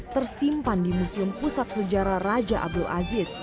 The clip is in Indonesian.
tersimpan di museum pusat sejarah raja abdul aziz